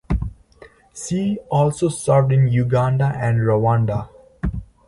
She also served in Uganda and Rwanda.